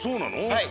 はい。